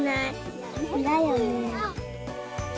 だよね。